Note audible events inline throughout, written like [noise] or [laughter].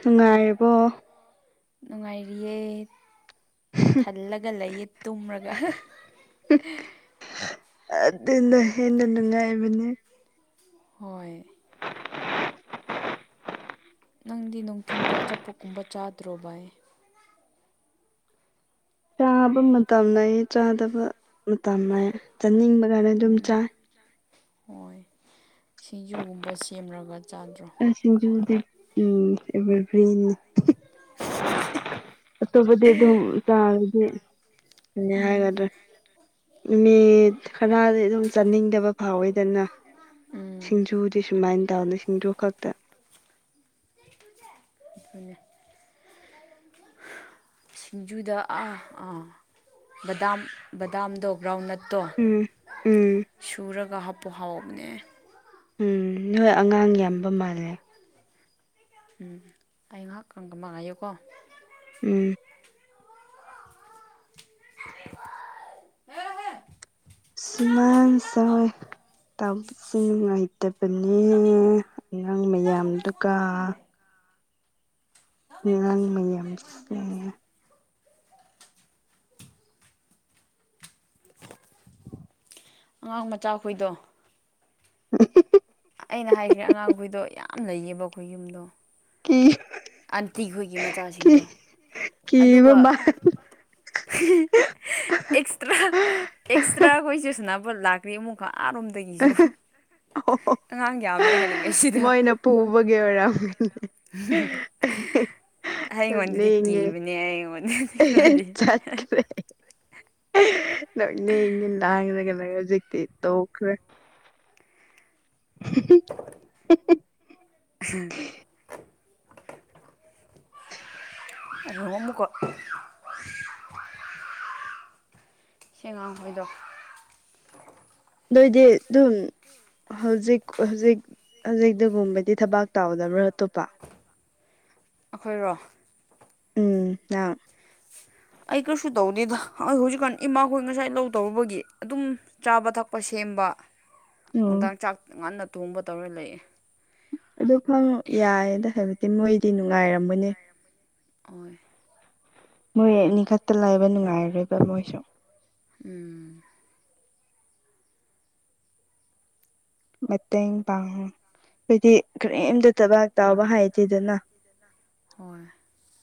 ꯅꯨꯡꯉꯥꯏꯔꯤꯕꯣ ꯅꯨꯡꯉꯥꯏꯔꯤꯩ ꯊꯜꯂꯒ ꯂꯩꯌꯦ ꯇꯨꯝꯔꯒ ꯑꯗꯨꯅ ꯍꯟꯅꯅꯅꯨꯡꯉꯥꯏ ꯏꯕꯅꯤ ꯍꯣꯏ [inaudible] ꯅꯪꯗꯤ ꯅꯨꯡꯊꯤꯟꯗ ꯑꯆꯥꯄꯣꯠꯀꯨꯝꯕ ꯆꯥꯗ꯭ꯔꯣ ꯚꯥꯏ ꯆꯥꯕ ꯃꯇꯝ ꯂꯩꯌꯦ ꯆꯥꯗꯕ ꯃꯇꯝ ꯂꯩ ꯆꯥꯅꯤꯡꯕ ꯀꯥꯟꯗ ꯑꯗꯨꯝ ꯆꯥꯏ ꯍꯣꯏ ꯁꯤꯡꯖꯨꯒꯨꯝꯕ ꯁꯦꯝꯂꯒ ꯑꯁꯤꯡꯖ ꯎꯝ ꯑꯦꯕꯔꯒꯔꯤ [inaudible] ꯑꯇꯣꯞꯄꯗꯤ ꯑꯗꯨꯝ ꯆꯥꯔꯗꯤ ꯌꯥꯒꯗ꯭ꯔꯦ ꯃꯤꯠ ꯈꯔꯗꯤ ꯑꯗꯨꯝ ꯆꯥꯅꯤꯡꯗꯕ ꯐꯥꯎꯋꯦꯗꯅ ꯎꯝ ꯁꯤꯡꯖꯨꯗꯤ ꯁꯨꯃꯥꯏꯅ ꯇꯧꯅ ꯁꯤꯡꯖꯨ ꯈꯛꯇ ꯑ ꯁꯤꯡꯖꯨꯗ ꯑꯥ ꯑꯥ ꯕꯗꯥꯝ ꯕꯗꯥꯝꯗꯣ ꯕ꯭ꯔꯥꯎꯟꯅꯠ ꯇꯣ ꯎꯝ ꯎꯝ ꯁꯨꯔꯒ ꯍꯥꯞꯄꯨ ꯍꯥꯎꯕꯅꯦ ꯎꯝ ꯅꯣꯏ ꯑꯉꯥꯡ ꯌꯥꯝꯕ ꯃꯥꯜꯂꯦ ꯎꯝ ꯑꯩ ꯉꯥꯏꯍꯥꯛꯀꯪꯒ ꯃꯉꯥꯏꯌꯨꯀꯣ ꯎꯝ ꯍꯦ ꯍ ꯁꯨꯃꯥꯡ ꯁꯣꯏ ꯇꯁꯤ ꯅꯨꯡꯉꯥꯏꯇꯕꯅꯦ ꯑꯉꯥꯡ ꯃꯌꯥꯝ ꯗꯨꯀ ꯉꯪ ꯃ ꯑꯉꯥꯡ ꯃꯆꯥ ꯑꯩꯣꯏꯗꯣ [inaudible] ꯑꯩꯅ ꯍꯥꯏꯈ꯭ꯔꯦ ꯑꯉꯥꯡꯈꯣꯏꯗꯣ ꯌꯥꯝ ꯂꯩꯌꯦꯕ ꯑꯩꯈꯣꯏ ꯌꯨꯝꯗꯣ ꯀ ꯑꯟꯇꯤꯈꯣꯏꯒꯤ ꯃꯆꯥꯁꯤꯡꯗꯣ ꯀꯤꯕ ꯑꯗꯨꯒ ꯃꯥ ꯑꯦꯁꯇ꯭ꯔꯥ ꯑꯦꯁꯇ꯭ꯔꯥ ꯀꯁꯤꯁꯅ ꯂꯥꯛꯇ꯭ꯔꯤ ꯑꯃꯨꯛ ꯈꯛꯔꯣꯝꯗꯒꯤꯁꯨ ꯑꯣ ꯑꯉꯥꯡ ꯌꯥꯝꯃꯦ ꯍꯥꯏꯅꯤꯡ ꯃꯣꯏꯅ ꯄꯨꯕꯒꯤ ꯑꯣꯏꯔꯝꯃꯤꯅꯦ ꯑꯩꯉꯣꯟꯗꯗꯤ ꯂꯩꯒꯦ ꯀꯤꯕꯅꯦ ꯑꯩꯉꯣꯟꯗꯗꯤ ꯈꯔꯗꯤ ꯆꯠ ꯏ ꯂꯥꯡꯉ ꯍꯧꯖꯤꯛꯛꯇ ꯇꯈ꯭ꯔꯦ [inaudible] ꯃꯣꯃꯀꯣ ꯁꯤꯉ ꯍꯣꯏꯗ ꯑꯗꯨꯏꯗꯤ ꯑꯗꯨꯝ ꯍꯧꯖꯤꯛ ꯍꯧꯖꯤꯛ ꯍꯧꯖꯤꯛꯇꯒꯨꯝꯕꯗꯤ ꯊꯕꯥꯛ ꯇꯧꯗꯕ꯭ꯔꯥ ꯑꯇꯣꯞꯄ ꯑꯩꯈꯣꯏꯔꯣ ꯎꯝ ꯑꯥ ꯑꯩ ꯀꯩꯁꯨ ꯇꯧꯗꯦꯗ ꯑꯩ ꯍꯧꯖꯤꯛꯀꯥꯟ ꯏꯃꯥꯈꯣꯏ ꯉꯁꯥꯏ ꯂꯧ ꯇꯧꯔꯨꯕꯒꯤ ꯑꯗꯨꯝ ꯆꯥꯕ ꯊꯛꯄꯁꯦ ꯁꯦꯝꯕ ꯎꯝ ꯅꯨꯡꯗꯥꯡ ꯆꯥꯛ ꯉꯟꯅ ꯊꯣꯡꯕ ꯇꯧꯔ ꯂꯩꯌꯦꯦ ꯑꯗꯨ ꯈꯪꯉ ꯌꯥꯏꯗ ꯍꯥꯏꯕꯗꯤ ꯃꯣꯏꯗꯤ ꯅꯨꯡꯉꯥꯏꯔꯝꯃꯅꯦ ꯑꯣꯏ ꯃꯣꯏꯅꯤ ꯈꯛꯇ ꯂꯥꯏꯕ ꯅꯨꯡꯉꯥꯏꯔꯣꯏꯕ ꯃꯣꯏꯁꯨ ꯎꯝ ꯃꯠꯇ ꯄꯥꯡꯉ ꯍꯥꯏꯗꯤ ꯀꯔꯤꯝꯇ ꯊꯕꯥꯛ ꯇꯥꯎꯕ ꯍꯥꯏꯗꯦꯗꯅ ꯍꯣꯏ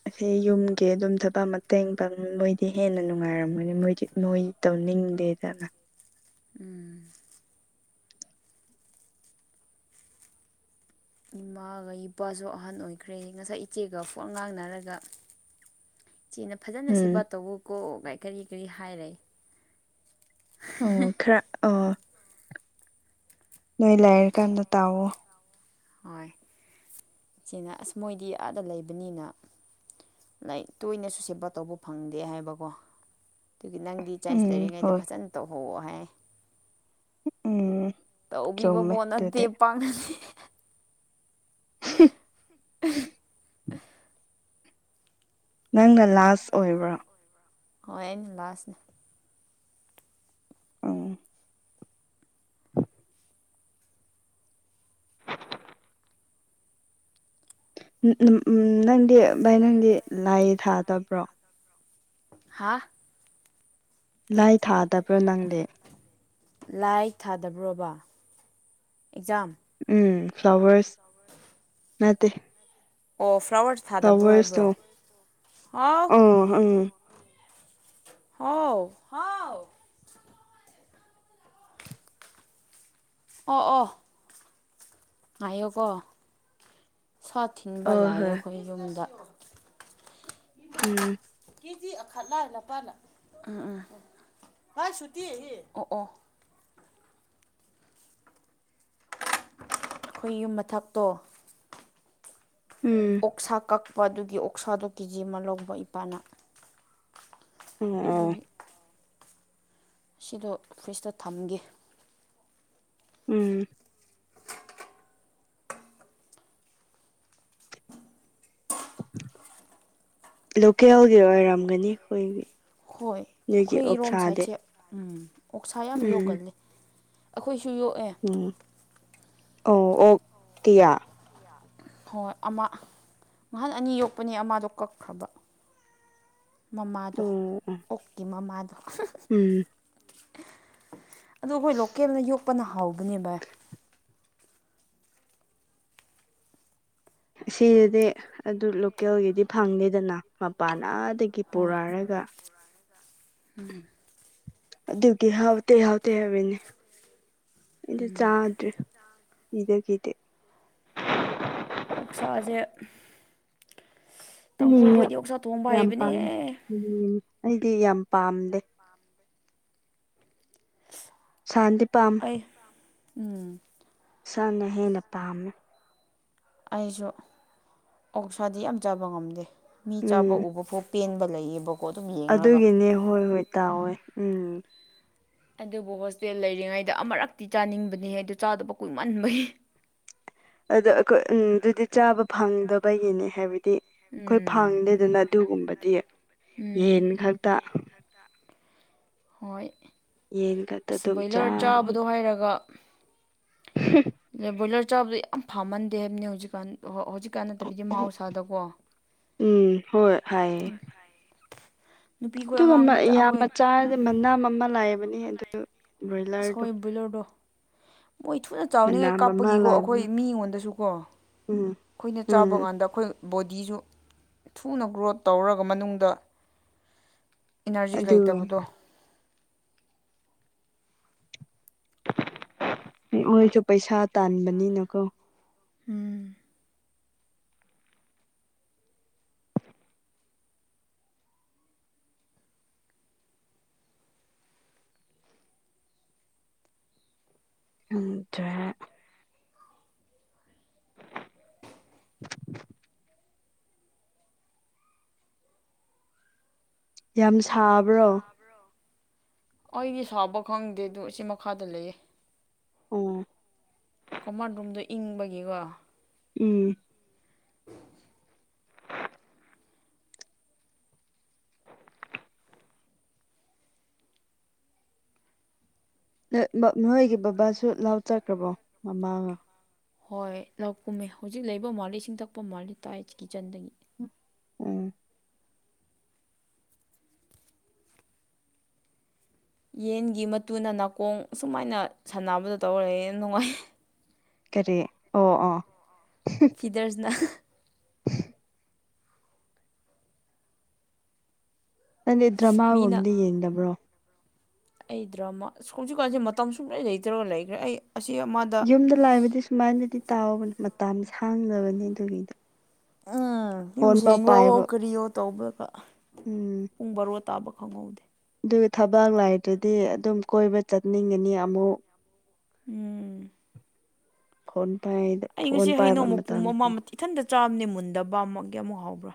ꯑꯁꯤ ꯌꯨꯝꯒꯤ ꯑꯗꯨꯝ ꯊꯕꯛ ꯃꯇꯦꯡ ꯄꯥꯡ ꯃꯣꯏꯗꯤ ꯍꯦꯟꯅ ꯅꯨꯡꯉꯥꯏꯔꯝꯃꯣꯏꯅꯤ ꯃꯣꯏꯗꯤ ꯃꯣꯏ ꯇꯧꯅꯤꯡꯉ ꯗꯅ ꯎꯝ ꯏꯃꯥꯒ ꯏꯄꯥꯁꯨ ꯑꯍꯟ ꯑꯣꯏꯈ꯭ꯔꯦ ꯉꯁꯥꯏ ꯏꯆꯦꯒ ꯄꯠ ꯉꯥꯡꯅꯔꯒ ꯏꯆꯦꯅ ꯐꯖꯅ ꯎꯝ ꯁꯦꯕꯥ ꯇꯧꯎ ꯀꯣ ꯀꯔꯤ ꯀꯔꯤ ꯍꯥꯏꯔꯦ ꯑꯣ ꯈꯔ ꯑ ꯅꯣꯏ ꯂꯥꯏꯔ ꯀꯥꯟꯗ ꯇꯥꯛꯑꯣ ꯍꯣꯏ ꯏꯆꯦꯅ ꯑꯁ ꯃꯣꯏꯗꯤ ꯑꯥꯗ ꯂꯩꯕꯅꯤꯅ ꯂꯥꯏ ꯇꯣꯏꯅꯁꯨ ꯁꯦꯕꯥ ꯇꯧꯕ ꯐꯪꯗꯦ ꯍꯥꯏꯕꯀꯣ ꯑꯗꯨꯒꯤ ꯅꯪꯗꯤ ꯆꯥꯏꯟꯁ ꯎꯝ ꯂꯩꯔꯤꯉꯩꯗ ꯍꯣꯏ ꯐꯖꯅ ꯇꯧꯍꯧꯑꯣ ꯍꯥꯏ ꯎꯝ ꯇꯧꯕꯤꯕ ꯆꯨꯝꯃꯦ ꯄꯣꯠ ꯅꯠꯇꯦ ꯑꯗꯨꯗꯤ ꯄꯥꯛꯅꯗꯦ [inaudible] ꯅꯪꯒ ꯂꯥꯁ ꯑꯣꯏꯕ꯭ꯔꯥ ꯍꯣꯏ ꯑꯩꯅ ꯂꯥꯁꯅꯦ ꯎꯝ ꯎ ꯅꯪꯗꯤ ꯚꯥꯏ ꯅꯪꯗꯤ ꯂꯥꯏ ꯊꯥꯗꯕ꯭ꯔꯣ ꯍꯥꯥ ꯂꯥꯏ ꯊꯥꯗꯕ꯭ꯔꯥ ꯅꯪꯂꯗꯦ ꯂꯥꯏ ꯊꯥꯗꯕ꯭ꯔꯣꯕ ꯑꯦꯛꯖꯥꯝ ꯎꯝ ꯐ꯭ꯂꯋꯔꯁ ꯇꯕ ꯃꯠꯇꯦ ꯑꯣ ꯐ꯭ꯂꯥꯋꯔꯁ ꯊꯥꯗꯕ꯭ꯔꯣ ꯍꯥꯏꯕ꯭ꯔꯣ ꯑꯥꯎ ꯑꯣ ꯎꯝ ꯍꯥꯎ ꯍꯥꯎ ꯑꯣ ꯑꯣ ꯉꯥꯏꯌꯣꯀꯣ ꯁꯥ ꯊꯤꯟꯕ ꯑꯣ ꯂꯥꯛꯑꯦ ꯍꯣꯏ ꯑꯩꯈꯣꯏ ꯌꯨꯝꯗ ꯎꯝ ꯀꯦꯖꯤ ꯑꯈꯠꯂ ꯂꯄꯥꯅ ꯎꯝ ꯎꯝ ꯎꯝ ꯚꯥꯏ ꯁꯨꯇꯤ ꯑꯣ ꯑꯣ ꯑꯩꯈꯣꯏ ꯌꯨꯝ ꯃꯊꯛꯇꯣ ꯎꯝ ꯑꯣꯛꯁꯥ ꯀꯛꯄ ꯑꯗꯨꯒꯤ ꯑꯣꯛꯁꯥꯗꯣ ꯀꯦ ꯖꯤ ꯑꯃ ꯂꯧꯕ ꯏꯄꯥꯅ ꯑ ꯑ ꯑꯗꯨꯒꯤ ꯁꯤꯗꯣ ꯐ꯭ꯔꯤꯖꯇ ꯊꯝꯒꯦ ꯎꯝ ꯂꯣꯀꯦꯜꯒꯤ ꯑꯣꯏꯔꯝꯒꯅꯤ ꯑꯩꯈꯣꯏꯒꯤ ꯍꯣꯏ ꯅꯣꯏꯒꯤ ꯑꯩꯈꯣꯏ ꯏꯔꯣꯝ ꯑꯣꯛꯁꯥꯗꯤ ꯁꯥꯏꯠꯁꯦ ꯎꯝ ꯑꯣꯛꯁꯥ ꯌꯥꯝ ꯎꯝ ꯌꯧꯒꯜꯂꯦ ꯑꯩꯈꯣꯏ ꯁꯣꯛ ꯑꯦ ꯎꯝ ꯑꯣ ꯑꯣꯀꯌꯥ ꯍꯣꯏ ꯑꯃ ꯉꯍꯥꯟ ꯑꯅꯤ ꯌꯣꯛꯄꯅꯦ ꯑꯃꯗꯣ ꯀꯛꯈ꯭ꯔꯕ ꯃꯃꯥꯗꯣ ꯑꯣ ꯑꯣ ꯑꯣꯀꯤ ꯃꯃꯥꯗ ꯎꯝ ꯑꯗꯨ ꯑꯩꯈꯣꯏ ꯂꯣꯀꯦꯜꯅ ꯌꯣꯛꯄꯅ ꯍꯥꯎꯕꯅꯦꯕ ꯁꯤꯗꯗꯤ ꯑꯗꯨ ꯂꯣꯀꯦꯜꯒꯤꯗꯤ ꯐꯪꯅꯤꯦꯗꯅ ꯃꯄꯥꯟ ꯇꯒꯤ ꯄꯨꯔꯛꯔꯒ ꯎꯝ ꯑꯗꯨꯒꯤ ꯍꯥꯎꯇꯦ ꯍꯥꯎꯇꯦ ꯍꯥꯏꯋꯦꯅꯦ ꯑꯩꯗꯤ ꯆꯥꯗ꯭ꯔꯦ ꯤꯗꯈꯤꯗꯤ ꯑꯣ ꯁꯥꯥꯥꯁꯦ ꯌꯥꯝ ꯄꯥꯝ ꯎꯝ ꯑꯩꯗꯤ ꯌꯥꯝ ꯄꯥꯝꯗꯦ ꯁꯥꯟꯇꯤ ꯄꯥꯝ ꯑꯩ ꯎꯝ ꯏꯁꯥꯅ ꯍꯦꯟꯅ ꯄꯥꯝꯃꯦ ꯑꯩꯁꯨ ꯑꯣꯛꯁꯥꯗꯤ ꯌꯥꯝ ꯆꯥꯕ ꯉꯝꯗꯦ ꯃꯤ ꯆꯥꯕ ꯎꯝ ꯎꯕ ꯐꯥꯎ ꯄꯦꯟꯕ ꯂꯩꯌꯦꯕ ꯑꯗꯨꯒꯤꯅꯦ ꯍꯣꯏ ꯍꯣꯏ ꯇꯥꯛꯑꯣꯦ ꯎꯝ ꯑꯗꯨꯕꯨ ꯍꯣꯁꯇꯦꯜ ꯂꯩꯔꯤꯉꯩꯗ ꯑꯃꯨꯔꯛꯇꯤ ꯆꯥꯅꯤꯡꯕꯅꯤ ꯍꯥꯏꯗ ꯆꯥꯗꯕ ꯀꯨꯏꯃꯟꯕꯒꯤ ꯑꯗꯣ ꯑꯩꯈꯣꯏ ꯎꯝ ꯑꯗꯨꯗꯤ ꯆꯥꯕ ꯐꯪꯗꯕꯒꯤꯅꯦ ꯍꯥꯏꯕꯗꯤ ꯑꯩꯈꯣꯏ ꯎꯝ ꯐꯪꯗꯦꯗꯅ ꯑꯗꯨꯒꯨꯝꯕꯗꯤ ꯎꯝ ꯌꯦꯟ ꯈꯛꯇ ꯍꯣꯏ ꯌꯦꯟ ꯈꯛꯇ ꯑꯁ ꯑꯗꯨꯝ ꯕꯣꯏꯂꯔ ꯆꯥꯕꯅꯤ ꯆꯥꯕꯗꯣ ꯍꯥꯏꯔꯒ ꯕ꯭ꯔꯣꯏꯂꯔ ꯆꯥꯕꯗ ꯌꯥꯝ ꯐꯝꯃꯟꯗꯦ ꯍꯥꯏꯕꯅꯤ ꯍꯧꯖꯤꯛꯀꯥꯟ ꯍꯧ ꯀꯥꯟꯅꯗꯕꯤꯒꯤ ꯃꯍꯧꯁꯥꯗꯀꯣ ꯎ ꯎꯝ ꯍꯣꯏ ꯍꯥꯏꯌꯦ ꯑꯗꯨꯒ ꯌꯥꯝ ꯃ ꯆꯥ ꯃꯅꯝ ꯑꯃ ꯂꯥꯛꯑꯕꯅꯦ ꯑꯗꯨ ꯕ꯭ꯔꯣꯏꯂꯔꯗꯣ ꯁꯣꯏ ꯕꯣꯏꯂꯔꯗꯣ ꯃꯣꯏ ꯊꯨꯅ ꯆꯥꯎꯅꯤꯡꯉꯥꯏ ꯃꯅꯥꯝ ꯑꯃ ꯀꯥꯞꯄꯒꯤꯀꯣ ꯂꯥꯛꯕꯅꯤ ꯑꯩꯈꯣꯏ ꯃꯤꯉꯣꯟꯗꯁꯨ ꯀꯣ ꯎꯝ ꯑꯩꯈꯣꯏꯅ ꯎꯝ ꯆꯥꯕ ꯀꯥꯟꯗ ꯑꯩꯈꯣꯏ ꯕꯣꯗꯤꯁꯨ ꯊꯨꯅ ꯒ꯭ꯔꯣꯠ ꯇꯧꯔꯒ ꯃꯅꯨꯡꯗ ꯏꯅꯔꯖꯤ ꯑꯗꯨ ꯂꯩꯇꯕꯗꯣ ꯑꯣꯏꯣꯏꯁꯨ ꯄꯩꯁꯥ ꯇꯥꯟꯕꯅꯤꯅꯀꯣ ꯎꯝ ꯑꯗ [inaudible] ꯌꯥꯝ ꯁꯥꯕ꯭ꯔꯣ ꯑꯩꯗꯤ ꯁꯥꯕ ꯈꯪꯗꯦ ꯑꯗꯨ ꯁꯤ ꯃꯈꯥꯗ ꯂꯩꯌꯦ ꯑꯣ ꯀꯃꯥꯟ ꯔꯣꯝꯗꯣ ꯏꯪꯕꯒꯤꯀꯣ ꯎꯝ ꯅꯣꯏꯒꯤ ꯕꯕꯥꯁꯨ ꯂꯥꯎ ꯆꯠꯈ꯭ꯔꯕꯣ ꯃꯃꯥꯒ ꯍꯣꯏ ꯂꯧ ꯀꯨꯝꯃꯦ ꯍꯧꯖꯤꯛ ꯂꯩꯕ ꯃꯥꯂꯦ ꯏꯁꯤꯡ ꯊꯛꯄ ꯃꯥꯂꯦ ꯇꯥꯏ ꯀꯤꯠꯆꯟꯗꯒꯤ ꯎ ꯌꯦꯟꯒꯤ ꯃꯇꯨꯅ ꯅꯥꯀꯣꯡ ꯑꯨꯃꯥꯏꯅ ꯁꯥꯟꯅꯕꯗꯣ ꯇꯧꯔꯦ ꯌꯥꯝ ꯅꯨꯡꯉꯥꯏ ꯀꯔꯤ ꯑꯣ ꯑꯣ ꯐꯤꯗꯔꯁꯅ ꯅꯪꯗꯤꯦ ꯃꯤꯅ ꯗ꯭ꯔꯃꯥꯒꯨꯝꯗꯤ ꯌꯦꯡꯗꯕ꯭ꯔꯣ ꯑꯩ ꯗ꯭ꯔꯃꯥ ꯍꯧꯖꯤꯛꯀꯥꯟꯁꯦ ꯃꯇꯝ ꯁꯨꯡꯂꯩ ꯂꯩꯇ꯭ꯔꯒ ꯂꯩꯈ꯭ꯔꯦ ꯑꯩ ꯑꯁꯤ ꯑꯃꯗ ꯌꯨꯝꯗ ꯂꯥꯛꯕꯗꯤ ꯁꯨꯃꯥꯏꯅꯗꯤ ꯇꯥꯎꯕꯅꯦ ꯃꯇꯁ ꯍꯥꯡꯗꯕꯅꯦ ꯑꯗꯨꯒꯤꯗ ꯎꯝ ꯌꯨꯝ ꯁꯦꯡꯕꯑꯣ ꯀꯔꯤꯌꯣ ꯇꯧꯕꯒ ꯎꯝ ꯄꯨꯡ ꯕꯥꯔꯣ ꯇꯥꯕ ꯈꯪꯍꯧꯗꯦ ꯑꯗꯨꯒ ꯊꯕꯛ ꯂꯥꯏꯗꯗꯤ ꯑꯗꯨꯝ ꯀꯣꯏꯕ ꯆꯠꯅꯤꯡꯒꯅꯤ ꯑꯃꯨꯛ ꯎꯝ ꯐꯣꯟ ꯄꯥꯏꯗ ꯐꯣꯟ ꯄꯥꯏꯕ ꯃꯇꯝꯗ ꯆ꯭ꯔꯥꯝꯅꯤ ꯃꯨꯟꯕ ꯑꯃꯨꯛ ꯑꯃꯨꯛ ꯍꯥꯎꯕ꯭ꯔꯥ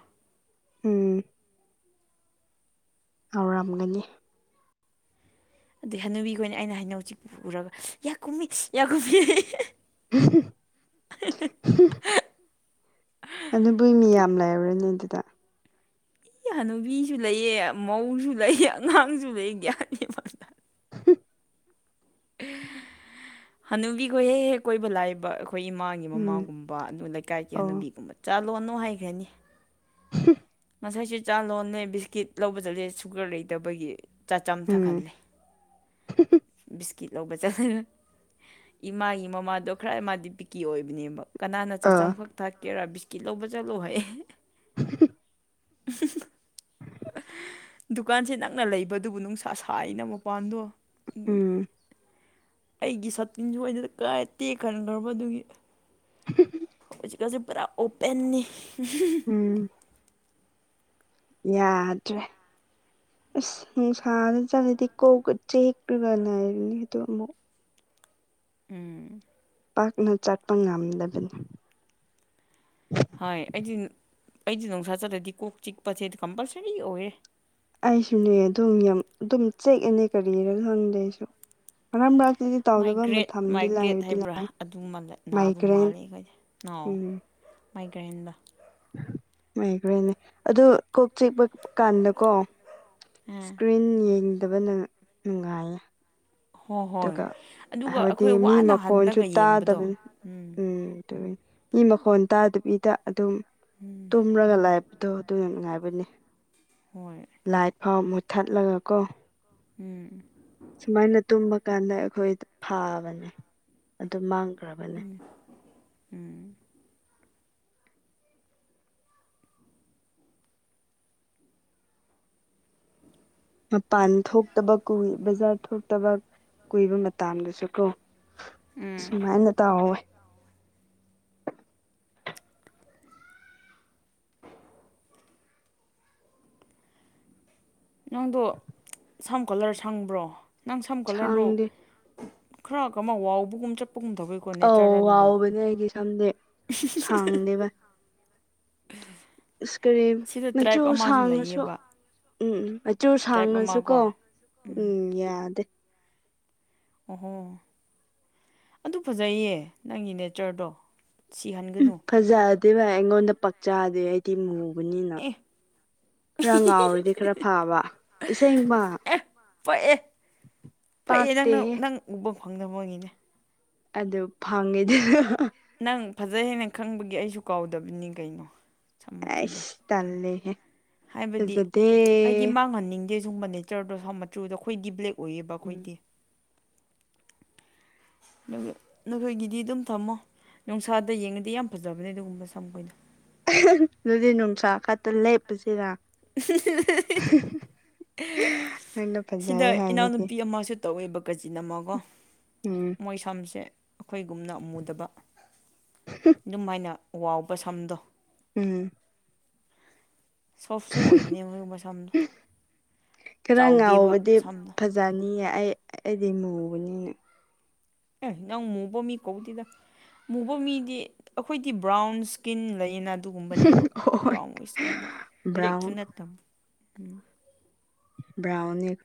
ꯎꯝ ꯍꯧꯥꯎꯔꯝꯒꯅꯤ ꯑꯗꯨꯩ ꯍꯅꯨꯕꯤꯈꯅ ꯑꯩꯅ ꯍꯩꯅꯧꯁꯤ ꯄꯨꯔꯒ ꯌꯥ ꯀꯨꯝꯃꯤ ꯌꯥ ꯀꯨꯝꯃꯤ [inaudible] ꯑꯗꯨꯕꯨꯒꯤ ꯃꯤ ꯌꯥꯝ ꯂꯩꯥꯏꯔꯔꯅꯦ ꯑꯗꯨꯗ ꯏꯅꯨꯕꯤꯁꯨ ꯂꯩꯑ ꯃꯧꯁꯨ ꯂꯩꯑ ꯑꯉꯥꯡꯁꯨ ꯂꯩ ꯒ꯭ꯌꯥꯅꯤ ꯐꯖꯅ ꯍꯅꯨꯕꯤ ꯀꯣꯏ ꯀꯣꯏ ꯂꯏꯕ ꯑꯩꯈꯣꯏ ꯏꯃꯥꯒꯤ ꯎꯝ ꯃꯃꯥꯒꯨꯝꯕ ꯑꯗꯨ ꯂꯩꯀꯥꯏꯒꯤ ꯑꯣ ꯍꯅꯨꯕꯤꯒꯨꯝꯕ ꯆꯠꯂꯣꯅꯣ ꯍꯥꯏꯈ꯭ꯔꯅꯤ ꯍ ꯉꯁꯥꯏꯁꯨꯦ ꯆꯥ ꯂꯣꯟꯅꯦ ꯕꯤꯁꯀꯤꯠ ꯂꯧꯕ ꯆꯠꯂꯦ ꯁꯨꯒꯔ ꯂꯩꯇꯕꯒꯤ ꯆꯥ ꯎꯝ ꯆꯝꯊꯛꯍꯜꯂꯦ ꯤ ꯀꯤꯠ ꯂꯧꯕ ꯆꯠꯂ ꯏꯃꯥꯒꯤ ꯃꯃꯥꯗꯣ ꯈꯔ ꯃꯥꯗꯤ ꯄꯤꯛꯀꯤ ꯑꯣꯏꯕꯅꯦꯕ ꯀꯅꯥꯅ ꯑ ꯆꯥꯝꯈꯛ ꯊꯥꯛꯀꯦꯔꯥ ꯕꯤꯁꯀꯤꯠ ꯂꯧꯕ ꯆꯠꯂꯣꯍ [inaudible] [inaudible] ꯗꯨꯀꯥꯟꯁꯦ ꯅꯪꯅ ꯂꯩꯕꯗꯨꯕꯨ ꯅꯨꯡꯁꯥ ꯁꯥꯏꯅ ꯃꯄꯥꯟꯗꯣ ꯎꯝ ꯑꯩꯒꯤ ꯁꯛꯇꯤꯟꯁꯨ ꯑꯩꯅ ꯀꯥꯏ ꯇꯦꯈꯟꯈ꯭ꯔꯕ ꯑꯗꯨꯒꯤ ꯆꯤꯀꯥꯁꯦ ꯄꯨꯔꯥ ꯑꯣꯄꯦꯟꯅꯤ ꯎꯝ ꯌꯥꯗ꯭ꯔꯦ ꯑꯁ ꯅꯨꯡꯁꯥꯗ ꯆꯠꯂꯗꯤ ꯀꯣꯛꯀ ꯆꯤꯛꯂꯒ ꯂꯩꯔꯅꯤꯗꯣ ꯑꯃꯨꯛ ꯎꯝ ꯄꯥꯛꯅ ꯆꯠꯄ ꯉꯝꯗꯕꯅꯤ ꯍꯣꯏ ꯑꯩꯗꯤ ꯑꯩꯗꯤ ꯅꯨꯡꯁꯥ ꯆꯠꯂꯗꯤ ꯀꯣꯛ ꯆꯤꯛꯄꯁꯦꯗꯤ ꯀꯝꯄꯜꯁꯔꯤ ꯑꯣꯏꯌꯦ ꯑꯩꯁꯨꯅꯦ ꯑꯗꯨꯝ ꯌꯥꯝ ꯑꯗꯨꯝ ꯆꯦꯛꯑꯅꯦ ꯀꯔꯤꯔꯥ ꯈꯪꯗꯦ ꯑꯩꯁꯨ ꯑ ꯃꯥꯏꯒ꯭ꯔꯦꯠ ꯃꯥꯏꯒ꯭ꯔꯦꯠ ꯍꯥꯏꯕ꯭ꯔꯥ ꯑꯗꯨ ꯅꯥꯕ ꯃꯥꯏꯒ꯭ꯔꯦꯟ ꯃꯥꯜꯂꯦ ꯑꯩꯈꯣꯏꯁꯦ ꯃꯥꯏꯒ꯭ꯔꯦꯟꯗꯣ ꯃꯥꯏꯒ꯭ꯔꯦꯟ ꯅꯦ ꯑꯗꯨ ꯀꯣꯛ ꯆꯤꯛꯄ ꯀꯥꯟꯗꯀꯣ ꯑꯥ ꯁꯀ꯭ꯔꯤꯟ ꯌꯦꯡ ꯐꯗꯕ ꯅꯨꯡꯉꯥꯏꯌꯦ ꯍꯣꯏ ꯍꯣꯏ ꯑꯗꯨꯒ ꯑꯗꯨꯒ ꯍꯥꯏꯕꯗꯤ ꯑꯩꯈꯣꯏ ꯃꯤ ꯋꯥꯅ ꯃꯈꯣꯟꯁꯨ ꯍꯜꯂꯒ ꯌꯦꯡꯕꯗꯣ ꯇꯥꯗꯕꯅꯤ ꯎꯝ ꯑꯗꯨꯏ ꯃꯤ ꯃꯈꯣꯟ ꯇꯥꯗꯕꯤꯕꯤꯗ ꯑꯗꯨꯝ ꯎꯝ ꯇꯨꯝꯔꯒ ꯂꯩ ꯑꯗꯣ ꯑꯗꯨꯅ ꯅꯨꯡꯉꯥꯏꯕꯅꯦ ꯍꯣꯏ ꯂꯥꯏꯠ ꯐꯥꯎ ꯃꯨꯠꯊꯠꯂꯒ ꯀꯣ ꯎꯝ ꯁꯨꯃꯥꯏꯅ ꯇꯨꯝꯕ ꯀꯥꯟꯗ ꯑꯩꯈꯣꯏꯗꯤ ꯐꯥꯕꯅꯦ ꯑꯗꯨ ꯃꯥꯡꯈ꯭ꯔꯕꯅꯦ ꯎꯝ ꯃꯄꯥꯟ ꯊꯣꯛꯇꯕ ꯀꯨꯏ ꯕꯖꯥꯔ ꯊꯣꯛꯇꯕ ꯀꯨꯏꯕ ꯃꯇꯝꯗꯁꯨ ꯀꯣ ꯎꯝ ꯁꯨꯃꯥꯏꯅ ꯇꯧ ꯋꯦ ꯅꯪꯗꯣ ꯁꯝ ꯀꯂꯔ ꯁꯪꯕ꯭ꯔꯣ ꯅꯪ ꯁꯝ ꯀꯂꯔꯗꯣ ꯁꯥꯡꯗꯦ ꯈꯔ ꯑꯃ ꯋꯥꯎꯕꯒꯨꯝ ꯆꯠ ꯑꯧ ꯋꯥꯎꯕꯅꯦ ꯑꯩꯗꯤ ꯁꯝꯗꯤ ꯁꯥꯡꯗꯦꯕ ꯑꯁ ꯀꯔꯤ ꯁꯤꯗ ꯃꯆꯨ ꯇ꯭ꯔꯥꯏꯞ ꯑꯃꯁꯨ ꯁꯥꯡꯉꯁꯨ ꯂꯩꯌꯦꯕ ꯎꯝ ꯎꯝ ꯃꯆꯨ ꯇ꯭ꯔꯥꯏꯞ ꯑꯃ ꯁꯥꯡꯉꯁꯨ ꯀꯣ ꯎꯝ ꯌꯥꯗꯦ ꯑꯣꯍꯣ ꯑꯗꯨ ꯐꯖꯩꯌꯦ ꯅꯪꯒꯤ ꯅꯦꯆꯔꯗꯣ ꯁꯤꯍꯟꯒꯅꯨ ꯑꯗꯨ ꯚꯥꯏ ꯑꯩꯉꯣꯟꯗ ꯄꯥꯛꯆꯥꯗꯤ ꯑꯩꯗꯤ ꯃꯨꯕꯅꯤꯅ ꯑꯦ ꯈꯔ ꯉꯥꯎꯔꯗꯤ ꯈꯔ ꯐꯕ ꯑꯁꯦꯡꯕ ꯐꯩꯌꯦ ꯅꯪꯅ ꯄꯥꯛꯇꯦꯍꯦ ꯅꯪ ꯎꯕ ꯐꯪꯗꯅꯕꯒꯤꯅꯦ ꯑꯗꯨ ꯐꯪꯉꯤꯗ ꯅꯪ ꯐꯖꯩ ꯍꯥꯏꯅ ꯈꯪꯕꯒꯤ ꯑꯩꯁꯨ ꯀꯥꯎꯗꯕꯅꯤ ꯀꯩꯅꯣ ꯁꯝ ꯃꯆꯨꯗꯣ ꯑꯁ ꯇꯜꯂꯦꯍꯦ ꯍꯥꯏꯕꯗꯤ ꯑꯩꯗꯤ ꯐꯖꯗꯦ ꯃꯥꯡꯍꯟꯅꯤꯡꯗꯦ ꯒꯨꯝꯕ ꯅꯦꯆꯔꯗꯣ ꯃꯆꯨꯗꯣ ꯈꯣꯏꯗꯤ ꯕ꯭ꯂꯦꯛ ꯑꯣꯏꯌꯦꯕ ꯎꯝ ꯈꯣꯏꯗꯤ ꯅꯈꯣꯏꯒꯤꯗꯤ ꯑꯗꯨꯝ ꯊꯝꯃꯣ ꯅꯨꯡꯁꯥꯗ ꯌꯦꯡꯉꯗꯤ ꯌꯥꯝ ꯐꯖꯕꯅꯦ ꯑꯗꯨꯒꯨꯝꯕ ꯁꯝ ꯈꯣꯏꯗꯣ ꯑꯗꯨꯗꯤ ꯅꯨꯡꯁꯥ ꯈꯠꯇ ꯂꯦꯞꯄꯁꯤꯔ [inaudible] ꯅꯪꯅ ꯁꯤꯗ ꯐꯖꯩ ꯍꯥꯏꯕꯒꯤ ꯏꯅꯥꯎꯅꯨꯄꯤ ꯑꯃꯁꯨ ꯇꯧꯋꯦꯕ ꯀꯥꯆꯤꯟ ꯑꯃꯀꯣ ꯎꯝ ꯃꯣꯏ ꯁꯝꯁꯦ ꯈꯣꯏꯒꯨꯝꯅ ꯑꯃꯃꯨꯗꯕ ꯑꯗꯨꯝ ꯍꯥꯏꯅ ꯋꯥꯎꯕ ꯁꯝꯗꯣ ꯎꯝ ꯁꯣꯐꯁꯨ ꯑꯣꯏꯕꯅꯦ ꯃꯣꯏꯒꯨꯝꯕ ꯁꯝꯗꯣ ꯆꯥꯎꯗꯦꯕ ꯁꯝꯗꯣ ꯌꯦ ꯑꯩ ꯑꯩꯗꯤ ꯃꯨꯕꯅꯤꯅ ꯑ ꯅꯪ ꯃꯨꯕ ꯃꯤ ꯀꯧꯗꯦꯗ ꯃꯨꯕ ꯃꯤꯗꯤ ꯑꯩꯈꯣꯏꯗꯤ ꯕ꯭ꯔꯥꯎꯟ ꯁꯀꯤꯟ ꯂꯩꯌꯦꯅ ꯑꯗꯨꯒꯨꯝꯕꯅꯦꯕ ꯍꯣꯏ ꯕ꯭ꯔꯥꯎꯟ ꯋꯤꯁꯀꯨꯝꯕ ꯕ꯭ꯂꯦꯛꯁꯨ ꯕ꯭ꯔꯥꯎꯟ ꯅꯠꯇꯕ ꯕ꯭ꯔꯥꯎꯟꯅꯤ